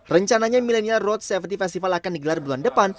rencananya millennial road safety festival akan digelar bulan depan